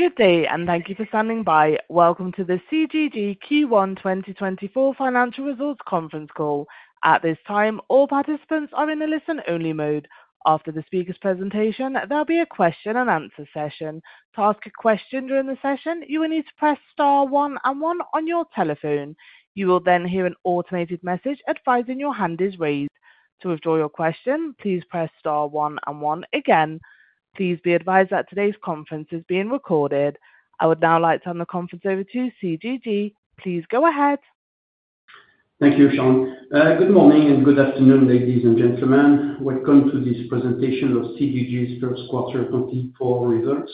Good day, and thank you for standing by. Welcome to the CGG Q1 2024 Financial Results conference call. At this time, all participants are in a listen-only mode. After the speaker's presentation, there'll be a question and answer session. To ask a question during the session, you will need to press star one and one on your telephone. You will then hear an automated message advising your hand is raised. To withdraw your question, please press star one and one again. Please be advised that today's conference is being recorded. I would now like to turn the conference over to CGG. Please go ahead. Thank you, Sean. Good morning and good afternoon, ladies and gentlemen. Welcome to this presentation of CGG's first quarter 2024 results.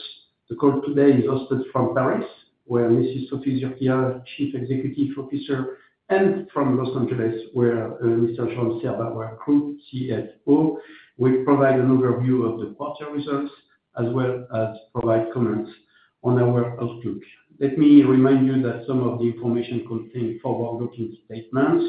The call today is hosted from Paris, where Mrs. Sophie Zurquiyah, Chief Executive Officer, and from Los Angeles, where Mr. Jérôme Servant, Group CFO, will provide an overview of the quarter results, as well as provide comments on our outlook. Let me remind you that some of the information contained forward-looking statements,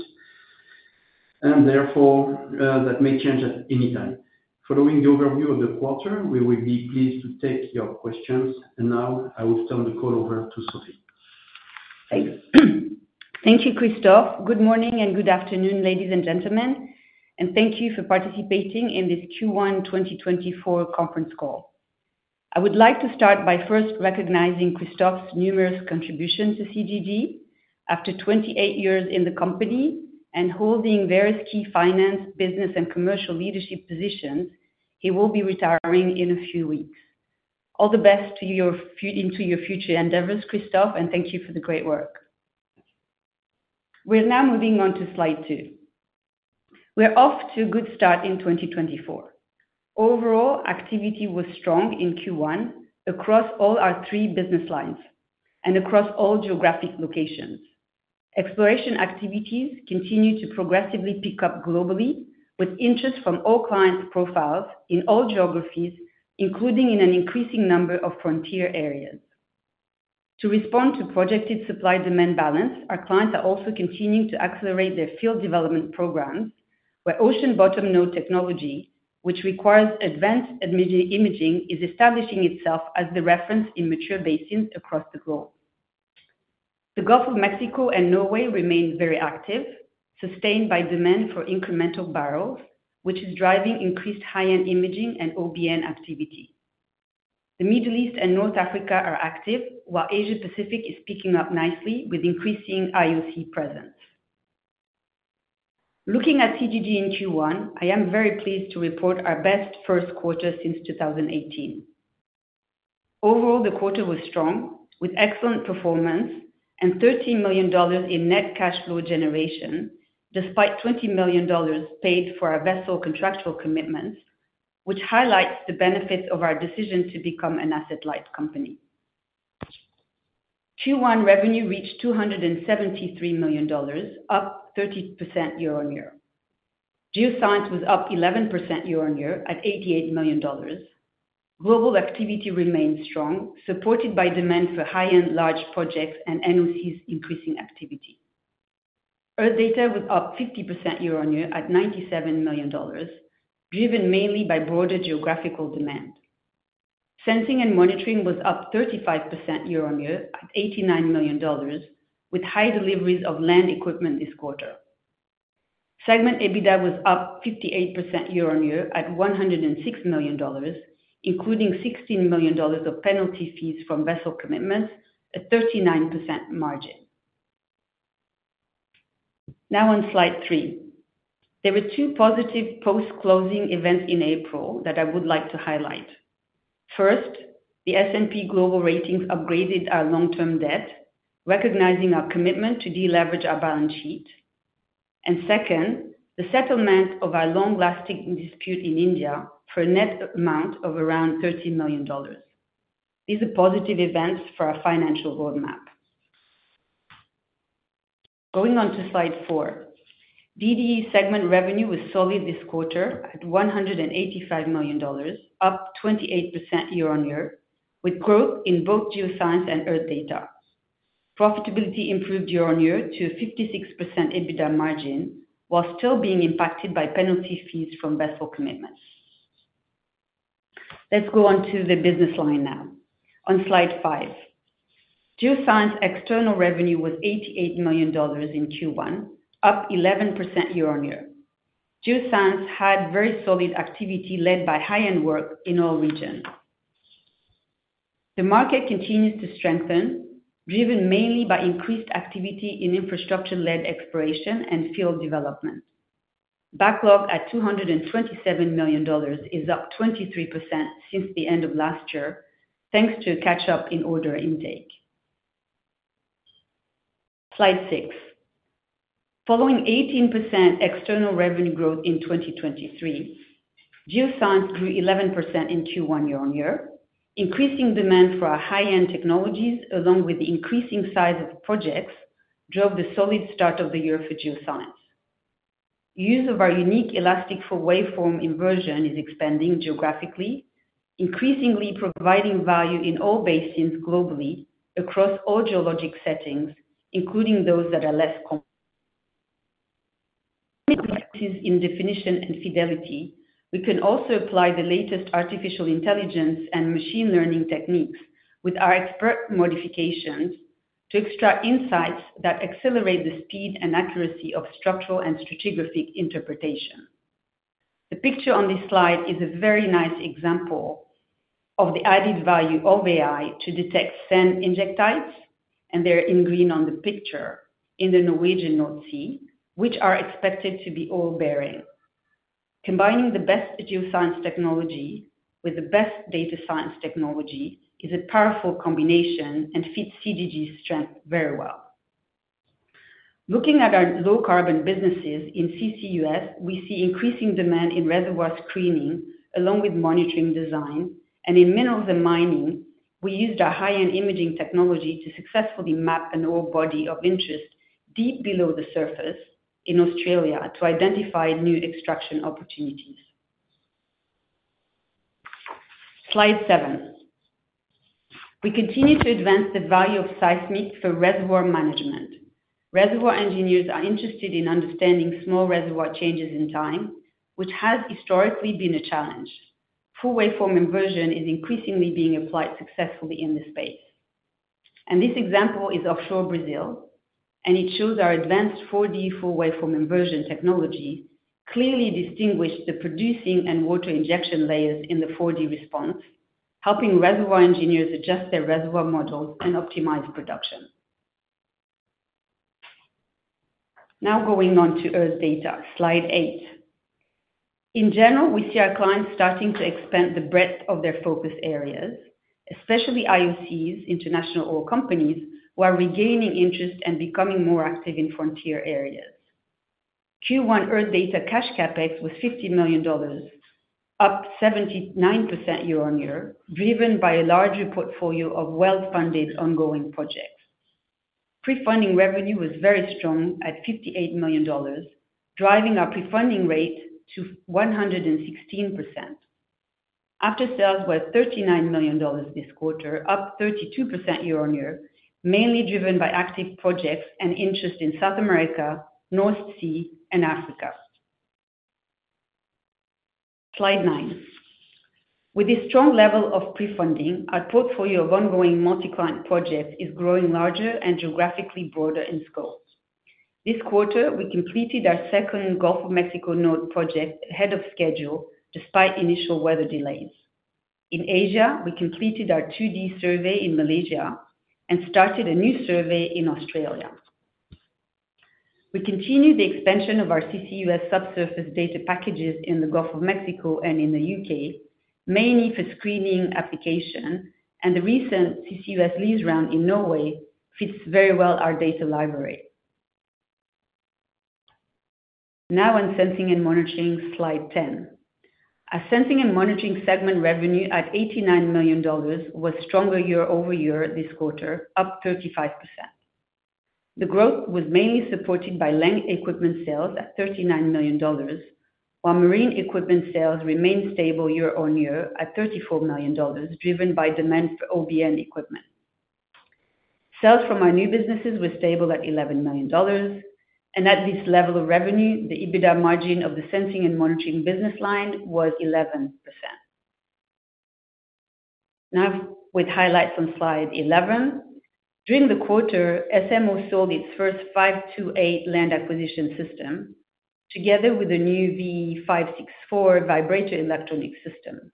and therefore, that may change at any time. Following the overview of the quarter, we will be pleased to take your questions, and now I will turn the call over to Sophie. Thank you. Thank you, Christophe. Good morning and good afternoon, ladies and gentlemen, and thank you for participating in this Q1 2024 conference call. I would like to start by first recognizing Christophe's numerous contributions to CGG. After 28 years in the company and holding various key finance, business, and commercial leadership positions, he will be retiring in a few weeks. All the best to you in your future endeavors, Christophe, and thank you for the great work. We're now moving on to slide 2. We're off to a good start in 2024. Overall, activity was strong in Q1 across all our three business lines and across all geographic locations. Exploration activities continue to progressively pick up globally, with interest from all client profiles in all geographies, including in an increasing number of frontier areas. To respond to projected supply-demand balance, our clients are also continuing to accelerate their field development programs, where ocean bottom node technology, which requires advanced imaging, is establishing itself as the reference in mature basins across the globe. The Gulf of Mexico and Norway remain very active, sustained by demand for incremental barrels, which is driving increased high-end imaging and OBN activity. The Middle East and North Africa are active, while Asia Pacific is picking up nicely with increasing IOC presence. Looking at CGG in Q1, I am very pleased to report our best first quarter since 2018. Overall, the quarter was strong, with excellent performance and $13 million in net cash flow generation, despite $20 million paid for our vessel contractual commitments, which highlights the benefits of our decision to become an asset-light company. Q1 revenue reached $273 million, up 30% year-on-year. Geoscience was up 11% year-on-year at $88 million. Global activity remained strong, supported by demand for high-end large projects and NOCs increasing activity. Earth Data was up 50% year-on-year at $97 million, driven mainly by broader geographical demand. Sensing and Monitoring was up 35% year-on-year at $89 million, with high deliveries of land equipment this quarter. Segment EBITDA was up 58% year-on-year at $106 million, including $16 million of penalty fees from vessel commitments at 39% margin. Now on slide three. There were two positive post-closing events in April that I would like to highlight. First, the S&P Global Ratings upgraded our long-term debt, recognizing our commitment to deleverage our balance sheet. Second, the settlement of our long-lasting dispute in India for a net amount of around $13 million. These are positive events for our financial roadmap. Going on to slide four. DDE segment revenue was solid this quarter at $185 million, up 28% year-on-year, with growth in both Geoscience and Earth Data. Profitability improved year-on-year to a 56% EBITDA margin, while still being impacted by penalty fees from vessel commitments. Let's go on to the business line now. On slide five, Geoscience external revenue was $88 million in Q1, up 11% year-on-year. Geoscience had very solid activity, led by high-end work in all regions. The market continues to strengthen, driven mainly by increased activity in infrastructure-led exploration and field development. Backlog at $227 million is up 23% since the end of last year, thanks to a catch-up in order intake. Slide six. Following 18% external revenue growth in 2023, Geoscience grew 11% in Q1 year-on-year. Increasing demand for our high-end technologies, along with the increasing size of the projects, drove the solid start of the year for Geoscience. Use of our unique Elastic Full Waveform Inversion is expanding geographically, increasingly providing value in all basins globally across all geologic settings, including those that are less complex.... is in definition and fidelity. We can also apply the latest artificial intelligence and machine learning techniques with our expert modifications, to extract insights that accelerate the speed and accuracy of structural and stratigraphic interpretation. The picture on this slide is a very nice example of the added value of AI to detect sand injectites, and they're in green on the picture, in the Norwegian North Sea, which are expected to be oil bearing. Combining the best geoscience technology with the best data science technology is a powerful combination and fits CGG's strength very well. Looking at our low carbon businesses in CCUS, we see increasing demand in reservoir screening, along with monitoring design, and in mineral and mining, we used our high-end imaging technology to successfully map an ore body of interest deep below the surface in Australia to identify new extraction opportunities. Slide seven. We continue to advance the value of seismic for reservoir management. Reservoir engineers are interested in understanding small reservoir changes in time, which has historically been a challenge. Full Waveform Inversion is increasingly being applied successfully in this space. This example is offshore Brazil, and it shows our advanced 4D Full Waveform Inversion technology, clearly distinguishing the producing and water injection layers in the 4D response, helping reservoir engineers adjust their reservoir models and optimize production. Now going on to Earth Data. Slide 8. In general, we see our clients starting to expand the breadth of their focus areas, especially IOCs, international oil companies, who are regaining interest and becoming more active in frontier areas. Q1 Earth Data cash CapEx was $50 million, up 79% year-on-year, driven by a larger portfolio of well-funded ongoing projects. Prefunding revenue was very strong at $58 million, driving our prefunding rate to 116%. After-sales was $39 million this quarter, up 32% year-on-year, mainly driven by active projects and interest in South America, North Sea and Africa. Slide nine. With this strong level of prefunding, our portfolio of ongoing multi-client projects is growing larger and geographically broader in scope. This quarter, we completed our second Gulf of Mexico node project ahead of schedule, despite initial weather delays. In Asia, we completed our 2D survey in Malaysia and started a new survey in Australia. We continued the expansion of our CCUS subsurface data packages in the Gulf of Mexico and in the UK, mainly for screening application, and the recent CCUS lease round in Norway fits very well our data library. Now on sensing and monitoring, slide ten. Our sensing and monitoring segment revenue at $89 million was stronger year-over-year this quarter, up 35%. The growth was mainly supported by land equipment sales at $39 million, while marine equipment sales remained stable year-on-year at $34 million, driven by demand for OBN equipment. Sales from our new businesses were stable at $11 million, and at this level of revenue, the EBITDA margin of the sensing and monitoring business line was 11%. Now with highlights on slide 11. During the quarter, SMO sold its first 528 land acquisition system, together with the new VE564 vibrator electronic system.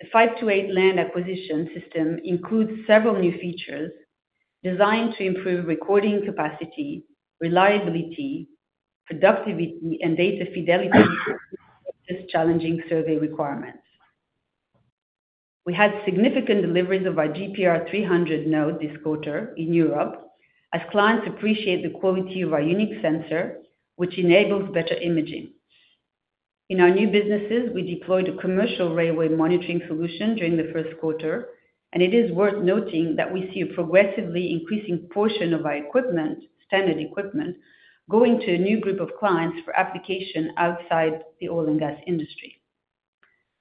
The 528 land acquisition system includes several new features designed to improve recording capacity, reliability, productivity, and data fidelity, fits challenging survey requirements. We had significant deliveries of our GPR300 node this quarter in Europe, as clients appreciate the quality of our unique sensor, which enables better imaging. In our new businesses, we deployed a commercial railway monitoring solution during the first quarter, and it is worth noting that we see a progressively increasing portion of our equipment, standard equipment, going to a new group of clients for application outside the oil and gas industry.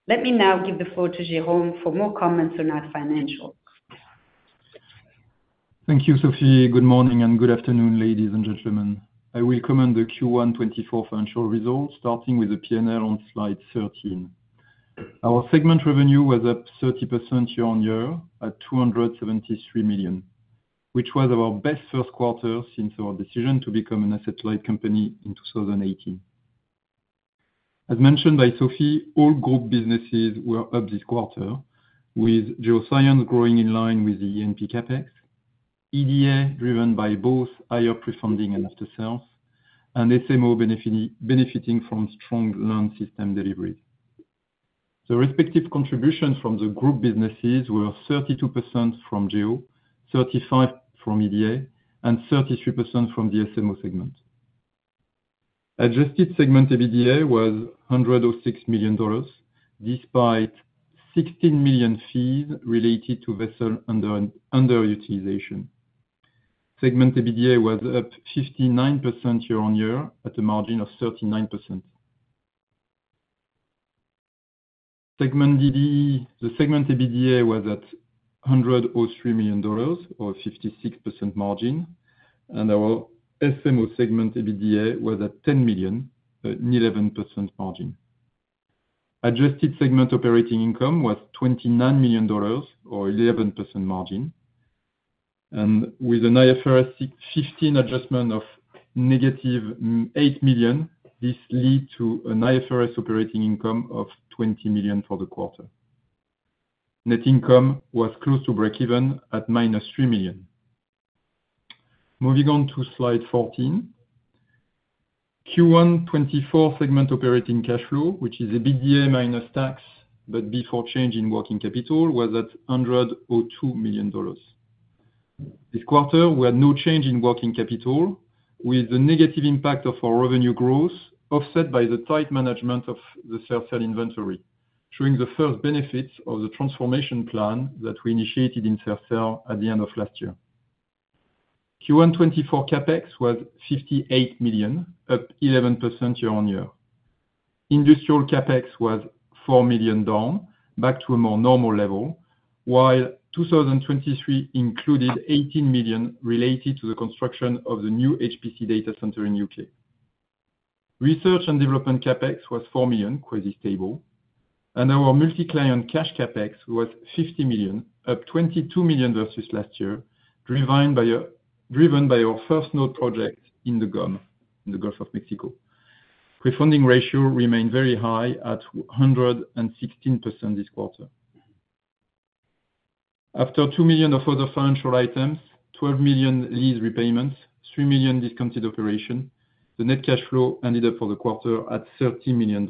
Let me now give the floor to Jérôme for more comments on our financials. Thank you, Sophie. Good morning and good afternoon, ladies and gentlemen. I will comment on the Q1 2024 financial results, starting with the P&L on slide 13. Our segment revenue was up 30% year-on-year, at $273 million, which was our best first quarter since our decision to become an asset-light company in 2018. As mentioned by Sophie, all group businesses were up this quarter, with geoscience growing in line with the E&P CapEx, EDA driven by both higher prefunding and after-sales, and SMO benefiting from strong land system delivery. The respective contributions from the group businesses were 32% from Geo, 35% from EDA, and 33% from the SMO segment. Adjusted segment EBITDA was $106 million, despite $16 million fees related to vessel underutilization. Segment EBITDA was up 59% year-on-year, at a margin of 39%.... Segment DDE, the segment EBITDA was at $103 million, or 56% margin, and our SMO segment EBITDA was at $10 million, at an 11% margin. Adjusted segment operating income was $29 million, or 11% margin, and with an IFRS 15 adjustment of negative eight million, this lead to an IFRS operating income of $20 million for the quarter. Net income was close to breakeven at minus $3 million. Moving on to slide 14. Q1 2024 segment operating cash flow, which is EBITDA minus tax, but before change in working capital, was at $102 million. This quarter, we had no change in working capital, with the negative impact of our revenue growth offset by the tight management of the Sercel inventory, showing the first benefits of the transformation plan that we initiated in Sercel at the end of last year. Q1 2024 CapEx was $58 million, up 11% year-on-year. Industrial CapEx was $4 million down, back to a more normal level, while 2023 included $18 million related to the construction of the new HPC data center in UK. Research and development CapEx was $4 million, quasi stable, and our multi-client cash CapEx was $50 million, up $22 million versus last year, driven by our first node project in the GOM, in the Gulf of Mexico. Prefunding ratio remained very high at 116% this quarter. After $2 million of other financial items, $12 million lease repayments, $3 million discounted operation, the net cash flow ended up for the quarter at $30 million.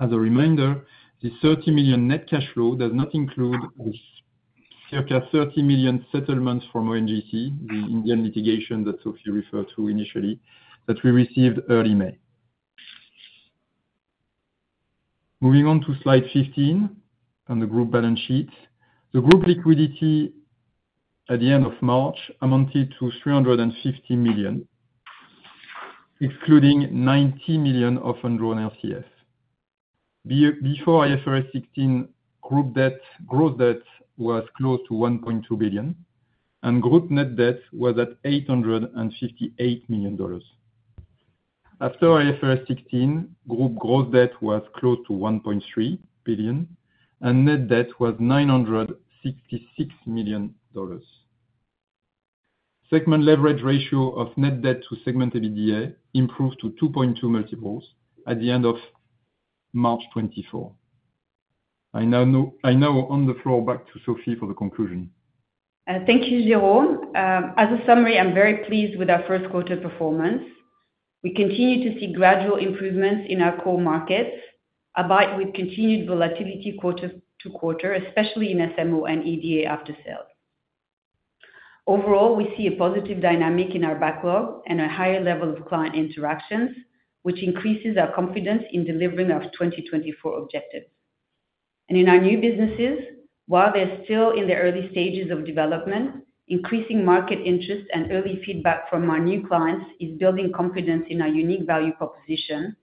As a reminder, this $30 million net cash flow does not include the circa $30 million settlements from ONGC, the Indian multinational that Sophie referred to initially, that we received early May. Moving on to slide 15, on the group balance sheet. The group liquidity at the end of March amounted to $350 million, excluding $90 million of undrawn RCFs. Before IFRS 16, group gross debt was close to $1.2 billion, and group net debt was at $858 million. After IFRS 16, group gross debt was close to $1.3 billion, and net debt was $966 million. Segment leverage ratio of net debt to segment EBITDA improved to 2.2x at the end of March 2024. I now hand the floor back to Sophie for the conclusion. Thank you, Jérôme. As a summary, I'm very pleased with our first quarter performance. We continue to see gradual improvements in our core markets, albeit with continued volatility quarter to quarter, especially in SMO and EDA after-sales. Overall, we see a positive dynamic in our backlog and a higher level of client interactions, which increases our confidence in delivering our 2024 objectives. And in our new businesses, while they're still in the early stages of development, increasing market interest and early feedback from our new clients is building confidence in our unique value proposition,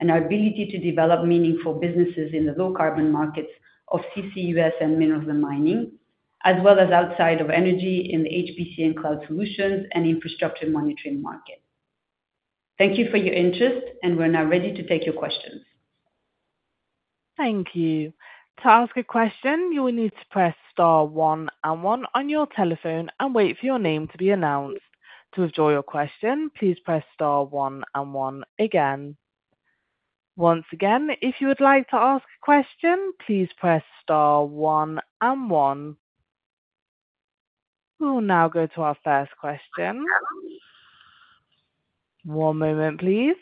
and our ability to develop meaningful businesses in the low carbon markets of CCUS and mineral mining, as well as outside of energy in the HPC and cloud solutions and infrastructure monitoring market. Thank you for your interest, and we're now ready to take your questions. Thank you. To ask a question, you will need to press star one and one on your telephone and wait for your name to be announced. To withdraw your question, please press star one and one again. Once again, if you would like to ask a question, please press star one and one. We will now go to our first question. One moment, please.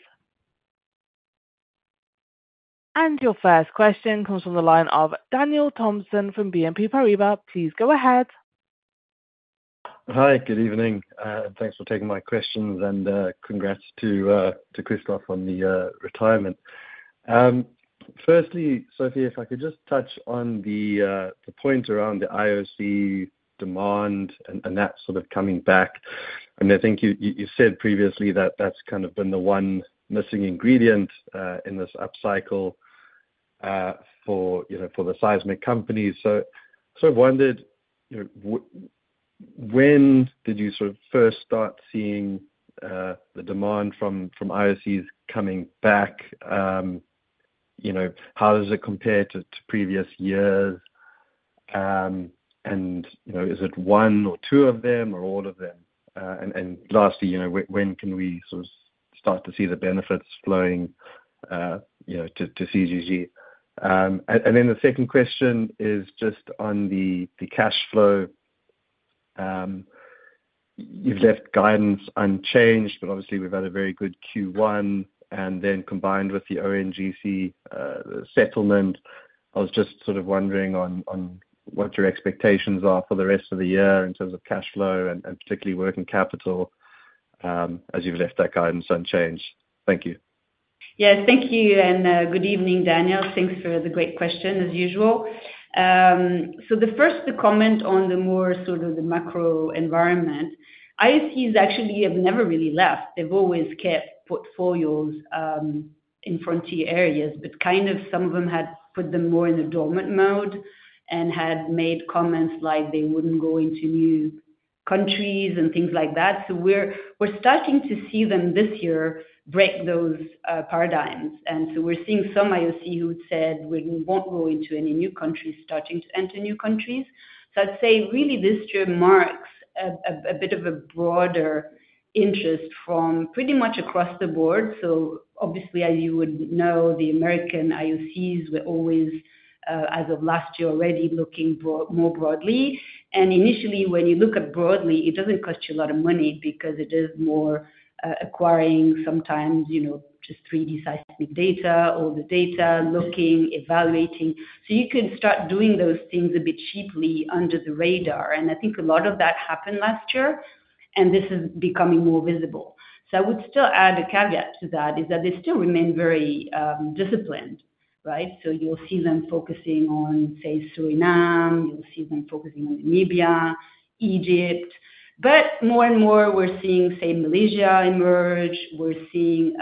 Your first question comes from the line of Daniel Thomson from BNP Paribas. Please go ahead. Hi, good evening, thanks for taking my questions, and congrats to Christophe on the retirement. Firstly, Sophie, if I could just touch on the point around the IOC demand and that sort of coming back. And I think you said previously that that's kind of been the one missing ingredient in this upcycle for you know for the seismic companies. So I wondered, you know, when did you sort of first start seeing the demand from IOCs coming back? You know, how does it compare to previous years? And you know, is it one or two of them or all of them? And lastly, you know, when can we sort of start to see the benefits flowing you know to CGG? And then the second question is just on the cash flow. You've left guidance unchanged, but obviously we've had a very good Q1, and then combined with the ONGC settlement, I was just sort of wondering on what your expectations are for the rest of the year in terms of cash flow and particularly working capital, as you've left that guidance unchanged. Thank you.... Yes, thank you, and good evening, Daniel. Thanks for the great question as usual. So the first to comment on the more sort of the macro environment, IOCs actually have never really left. They've always kept portfolios in frontier areas, but kind of some of them had put them more in a dormant mode and had made comments like they wouldn't go into new countries and things like that. So we're starting to see them this year break those paradigms. And so we're seeing some IOC who said, "We won't go into any new countries," starting to enter new countries. So I'd say really, this year marks a bit of a broader interest from pretty much across the board. So obviously, as you would know, the American IOCs were always, as of last year, already looking more broadly. Initially, when you look at broadly, it doesn't cost you a lot of money because it is more acquiring sometimes, you know, just 3D seismic data or the data, looking, evaluating. So you can start doing those things a bit cheaply under the radar. And I think a lot of that happened last year, and this is becoming more visible. So I would still add a caveat to that, is that they still remain very disciplined, right? So you'll see them focusing on, say, Suriname, you'll see them focusing on Namibia, Egypt. But more and more, we're seeing, say, Malaysia emerge, we're seeing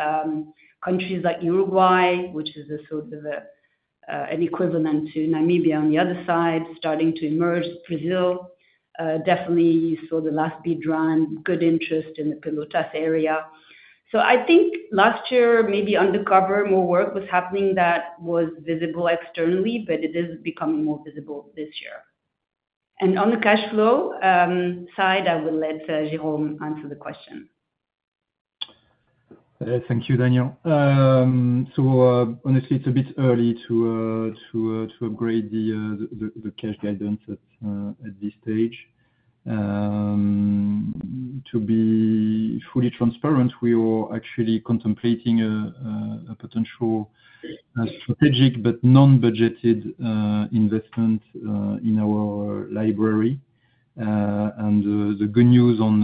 countries like Uruguay, which is a sort of a an equivalent to Namibia on the other side, starting to emerge. Brazil definitely saw the last bid round, good interest in the Pelotas area. So I think last year, maybe undercover, more work was happening that was visible externally, but it is becoming more visible this year. And on the cash flow side, I will let Jérôme answer the question. Thank you, Daniel. So, honestly, it's a bit early to upgrade the cash guidance at this stage. To be fully transparent, we are actually contemplating a potential strategic but non-budgeted investment in our library. And the good news on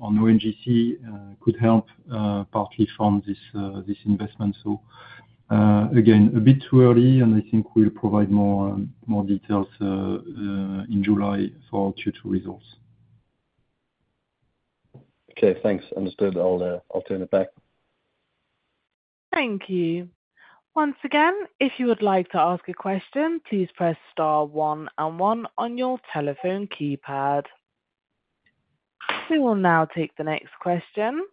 ONGC could help partly fund this investment. So, again, a bit too early, and I think we'll provide more details in July for Q2 results. Okay, thanks. Understood. I'll turn it back. Thank you. Once again, if you would like to ask a question, please press star one and one on your telephone keypad. We will now take the next question.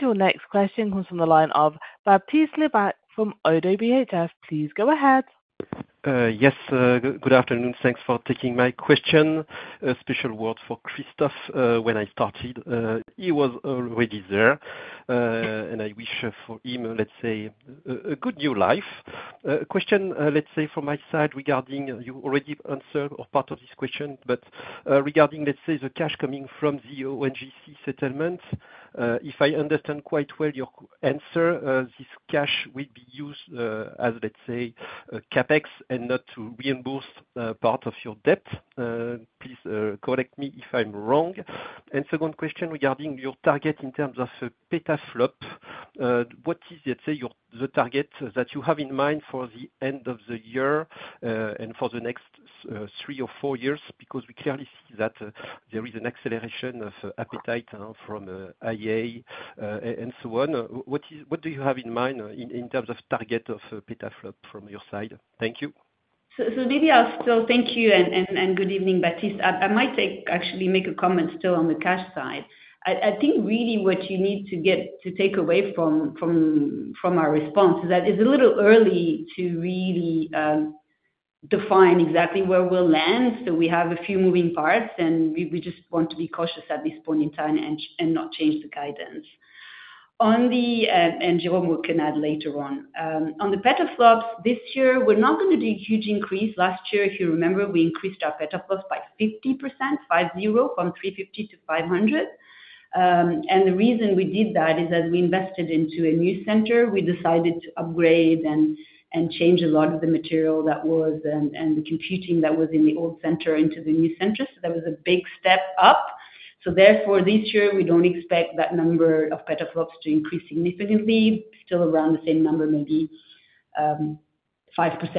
Your next question comes from the line of Baptiste Lebacq from ODDO BHF. Please go ahead. Yes, good afternoon. Thanks for taking my question. A special word for Christophe, when I started, he was already there, and I wish for him, let's say, a good new life. Question, let's say from my side, regarding you already answered or part of this question, but, regarding, let's say, the cash coming from the ONGC settlement, if I understand quite well, your answer, this cash will be used, as let's say, CapEx and not to reimburse, part of your debt. Please, correct me if I'm wrong. And second question, regarding your target in terms of petaflop, what is, let's say, your, the target that you have in mind for the end of the year, and for the next, three or four years? Because we clearly see that there is an acceleration of appetite from AI and so on. What do you have in mind in terms of target of petaflop from your side? Thank you. So maybe I'll still thank you and good evening, Baptiste. I might take actually make a comment still on the cash side. I think really what you need to take away from our response is that it's a little early to really define exactly where we'll land. So we have a few moving parts, and we just want to be cautious at this point in time and not change the guidance. On the and Jérôme will connect later on. On the petaflops, this year, we're not going to do a huge increase. Last year, if you remember, we increased our petaflops by 50%, 50, from 350 to 500. And the reason we did that is that we invested into a new center. We decided to upgrade and change a lot of the material that was and the computing that was in the old center into the new center. So that was a big step up. So therefore, this year, we don't expect that number of petaflops to increase significantly, still around the same number, maybe 5%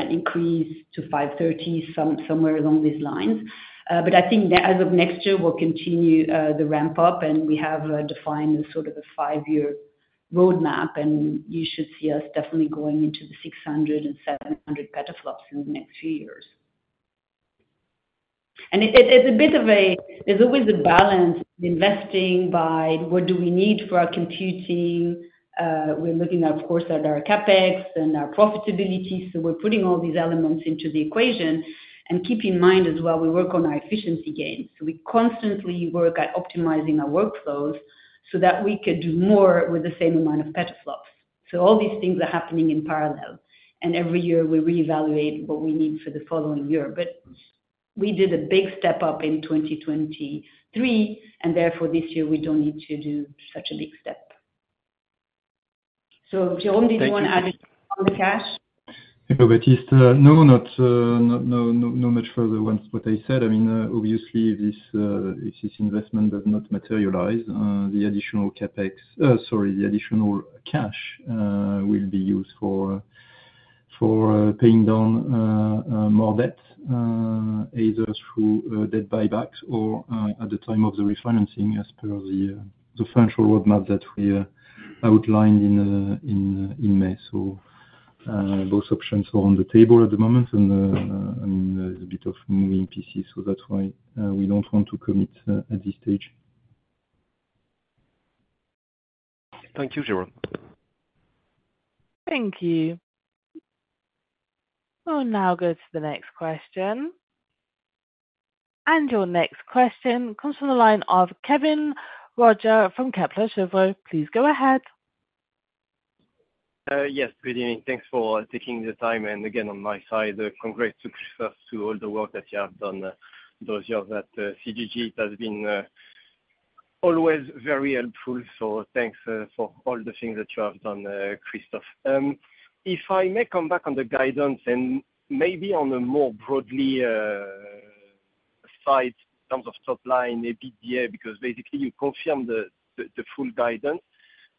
increase to 530, somewhere along these lines. But I think that as of next year, we'll continue the ramp up, and we have defined a sort of a five-year roadmap, and you should see us definitely going into the 600 and 700 petaflops in the next few years. And it, it's a bit of a - there's always a balance in investing by what do we need for our computing? We're looking, of course, at our CapEx and our profitability, so we're putting all these elements into the equation. And keep in mind as well, we work on our efficiency gains. We constantly work at optimizing our workflows so that we could do more with the same amount of petaflops. So all these things are happening in parallel, and every year we reevaluate what we need for the following year. But we did a big step up in 2023, and therefore, this year we don't need to do such a big step. So, Jérôme, did you want to add on the cash? Hello, Baptiste, not much further from what I said, I mean, obviously, if this investment does not materialize, the additional CapEx, sorry, the additional cash, will be used for paying down more debt, either through debt buybacks or at the time of the refinancing, as per the financial roadmap that we outlined in May. So, those options are on the table at the moment, and there's a bit of moving parts, so that's why we don't want to commit at this stage. Thank you, Jérôme. Thank you. We'll now go to the next question. Your next question comes from the line of Kevin Roger from Kepler Cheuvreux. Please go ahead. Yes, good evening. Thanks for taking the time, and again, on my side, congrats to Christophe to all the work that you have done, those years at, CGG. It has been always very helpful, so thanks, for all the things that you have done, Christophe. If I may come back on the guidance and maybe on a more broadly, side in terms of top line, EBITDA, because basically you confirm the full guidance,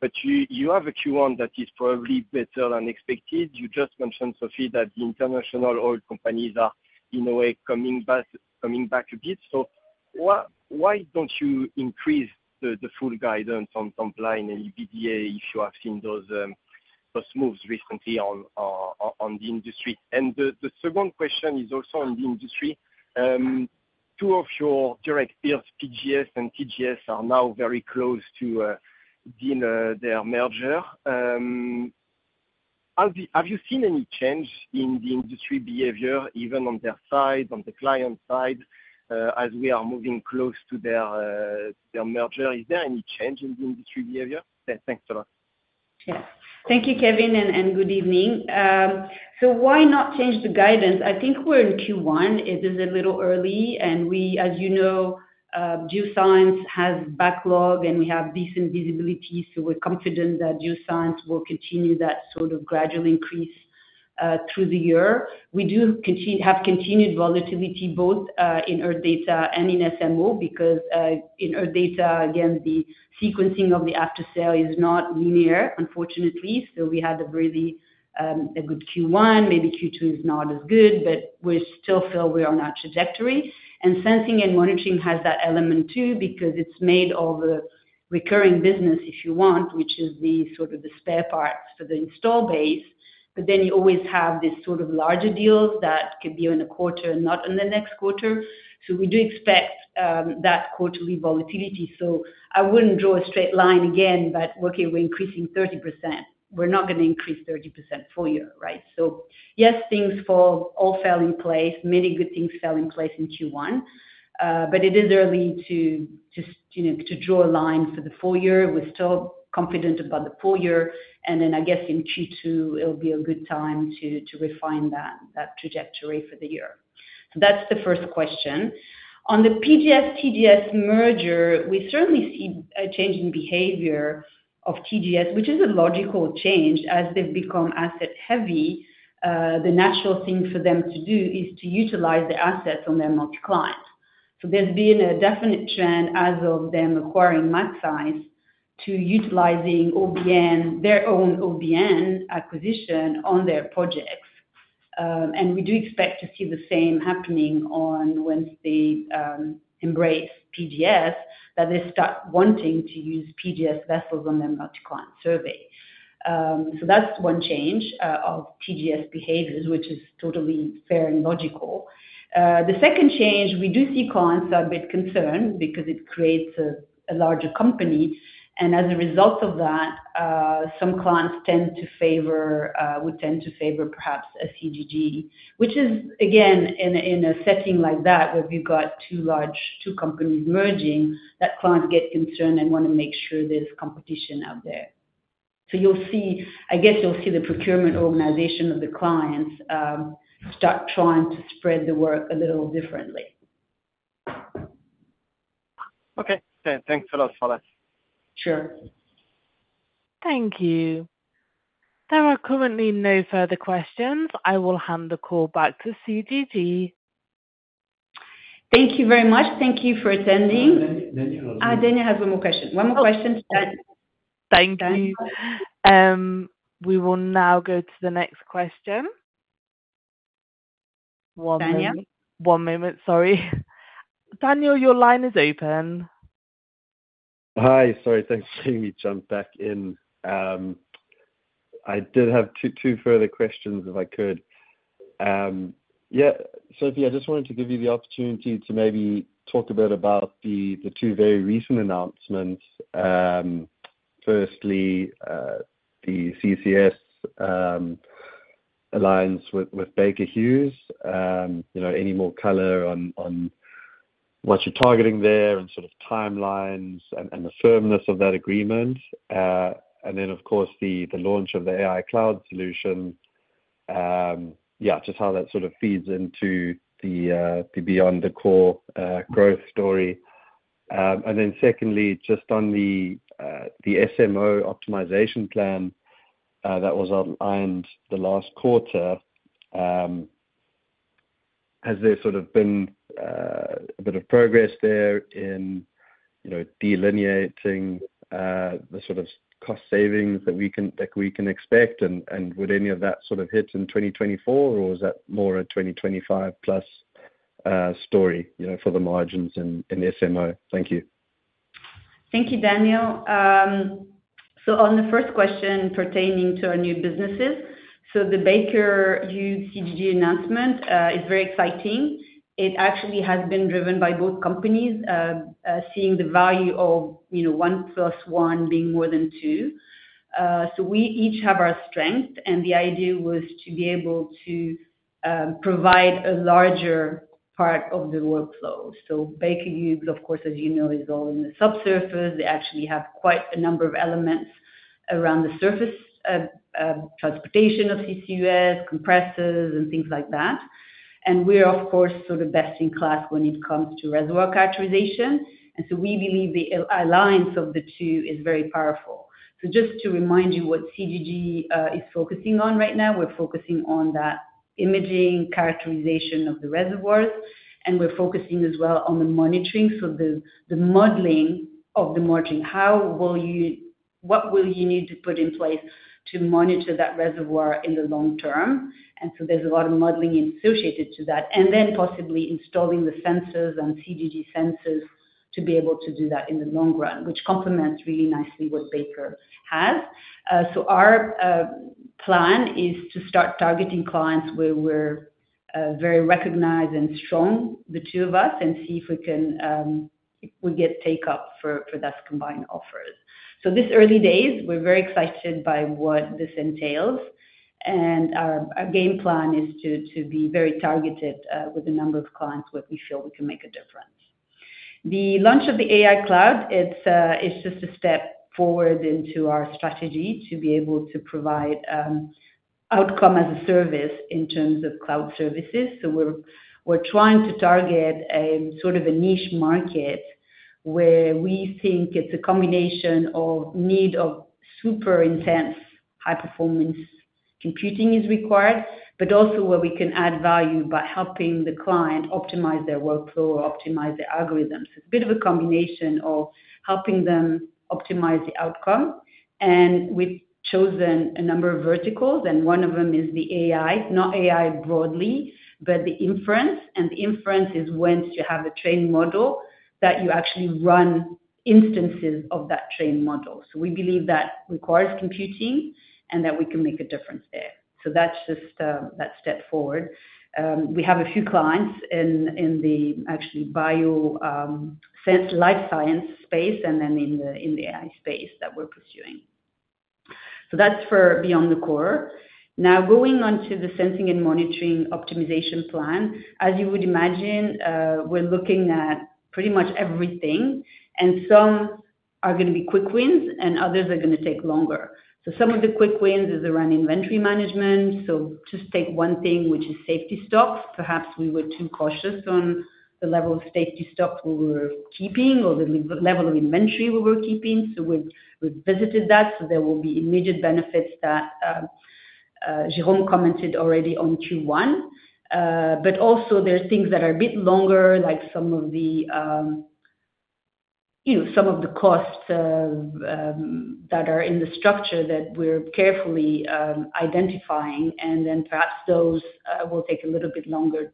but you have a Q1 that is probably better than expected. You just mentioned, Sophie, that the international oil companies are, in a way, coming back, coming back a bit. So why don't you increase the full guidance on top line and EBITDA if you have seen those, those moves recently on, on the industry? The second question is also on the industry. Two of your direct peers, PGS and TGS, are now very close to doing their merger. Have you seen any change in the industry behavior, even on their side, on the client side, as we are moving close to their merger? Is there any change in the industry behavior? Yeah, thanks a lot. Yeah. Thank you, Kevin, and good evening. So why not change the guidance? I think we're in Q1. It is a little early, and we, as you know, Geosciences has backlog, and we have decent visibility, so we're confident that Geosciences will continue that sort of gradual increase, through the year. We do have continued volatility both, in Earth Data and in SMO, because, in Earth Data, again, the sequencing of the after-sale is not linear, unfortunately. So we had a really, a good Q1. Maybe Q2 is not as good, but we still feel we are on our trajectory. And Sensing and Monitoring has that element, too, because it's made of recurring business, if you want, which is the sort of the spare parts for the install base. But then you always have these sort of larger deals that could be in a quarter, not in the next quarter. So we do expect that quarterly volatility. So I wouldn't draw a straight line again, but okay, we're increasing 30%. We're not gonna increase 30% full year, right? So, yes, things fell, all fell in place. Many good things fell in place in Q1. But it is early to, to you know, to draw a line for the full year. We're still confident about the full year, and then I guess in Q2, it'll be a good time to, to refine that, that trajectory for the year. So that's the first question. On the PGS-TGS merger, we certainly see a change in behavior of TGS, which is a logical change. As they've become asset heavy, the natural thing for them to do is to utilize the assets on their multi-client. So there's been a definite trend as of them acquiring Magseis to utilizing OBN, their own OBN acquisition on their projects. And we do expect to see the same happening once they embrace PGS, that they start wanting to use PGS vessels on their multi-client survey. So that's one change of TGS behaviors, which is totally fair and logical. The second change, we do see clients are a bit concerned because it creates a larger company, and as a result of that, some clients tend to favor, would tend to favor perhaps a CGG. Which is, again, in a setting like that, where you've got two large companies merging, that clients get concerned and wanna make sure there's competition out there. So you'll see... I guess you'll see the procurement organization of the clients start trying to spread the work a little differently. Okay. Yeah, thanks a lot for that. Sure. Thank you. There are currently no further questions. I will hand the call back to CGG. Thank you very much. Thank you for attending. Uh, Daniel- Daniel has one more question. One more question. Thank you. We will now go to the next question. Daniel? One moment, sorry. Daniel, your line is open. Hi. Sorry, thanks for letting me jump back in. I did have two further questions, if I could. Yeah, Sophie, I just wanted to give you the opportunity to maybe talk a bit about the two very recent announcements. Firstly, the CCS alliance with Baker Hughes. You know, any more color on what you're targeting there and sort of timelines and the firmness of that agreement? And then, of course, the launch of the AI cloud solution. Yeah, just how that sort of feeds into the beyond the core growth story.... And then secondly, just on the SMO optimization plan that was outlined the last quarter, has there sort of been a bit of progress there in, you know, delineating the sort of cost savings that we can expect? And would any of that sort of hit in 2024, or is that more a 2025+ story, you know, for the margins in SMO? Thank you. Thank you, Daniel. So on the first question pertaining to our new businesses, so the Baker Hughes CGG announcement is very exciting. It actually has been driven by both companies seeing the value of, you know, one plus one being more than two. So we each have our strength, and the idea was to be able to provide a larger part of the workflow. So Baker Hughes, of course, as you know, is all in the subsurface. They actually have quite a number of elements around the surface transportation of CCUS, compressors and things like that. And we're, of course, sort of best in class when it comes to reservoir characterization, and so we believe the alliance of the two is very powerful. So just to remind you what CGG is focusing on right now, we're focusing on that imaging characterization of the reservoirs, and we're focusing as well on the monitoring. So the modeling of the monitoring, how will you-- what will you need to put in place to monitor that reservoir in the long term? And so there's a lot of modeling associated to that. And then possibly installing the sensors and CGG sensors to be able to do that in the long run, which complements really nicely what Baker has. So our plan is to start targeting clients where we're very recognized and strong, the two of us, and see if we can, if we get take up for those combined offers. So this early days, we're very excited by what this entails, and our game plan is to be very targeted with the number of clients where we feel we can make a difference. The launch of the AI cloud, it's just a step forward into our strategy to be able to provide outcome as a service in terms of cloud services. So we're trying to target a sort of a niche market, where we think it's a combination of need of super intense, high performance computing is required, but also where we can add value by helping the client optimize their workflow or optimize their algorithms. It's a bit of a combination of helping them optimize the outcome, and we've chosen a number of verticals, and one of them is the AI. Not AI broadly, but the inference, and the inference is once you have a trained model, that you actually run instances of that trained model. So we believe that requires computing, and that we can make a difference there. So that's just that step forward. We have a few clients in the actually bioscience, life science space and then in the AI space that we're pursuing. So that's for beyond the core. Now, going on to the sensing and monitoring optimization plan. As you would imagine, we're looking at pretty much everything, and some are gonna be quick wins and others are gonna take longer. So some of the quick wins is around inventory management. So just take one thing, which is safety stock. Perhaps we were too cautious on the level of safety stock we were keeping or the level of inventory we were keeping, so we've visited that, so there will be immediate benefits that Jérôme commented already on Q1. But also there are things that are a bit longer, like some of the, you know, some of the costs that are in the structure that we're carefully identifying, and then perhaps those will take a little bit longer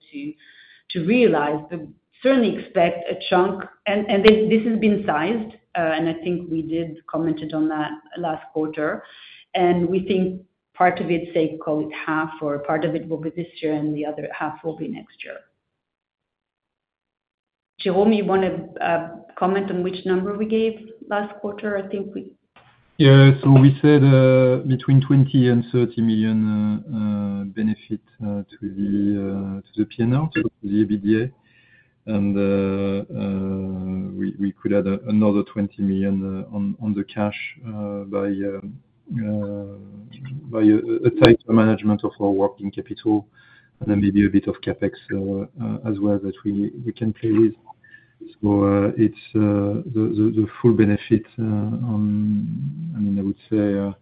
to realize. But certainly expect a chunk. And this has been sized, and I think we did commented on that last quarter. And we think part of it, say, call it half or part of it will be this year and the other half will be next year. Jérôme, you want to comment on which number we gave last quarter? I think we- Yeah. We said between 20 million and 30 million benefit to the P&L, to the EBITDA. We could add another 20 million on the cash by a tighter management of our working capital, and then maybe a bit of CapEx as well that we can play with. It's the full benefit, I mean, I would say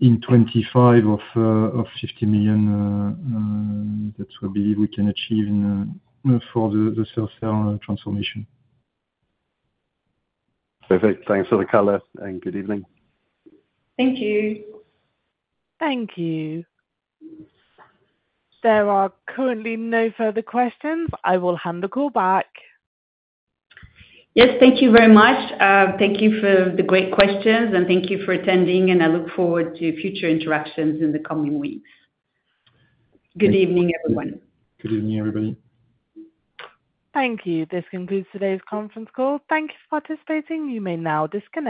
in 25 or 50 million that we believe we can achieve for the sales transformation. Perfect. Thanks for the color, and good evening. Thank you. Thank you. There are currently no further questions. I will hand the call back. Yes, thank you very much. Thank you for the great questions, and thank you for attending, and I look forward to future interactions in the coming weeks. Good evening, everyone. Good evening, everybody. Thank you. This concludes today's conference call. Thank you for participating. You may now disconnect.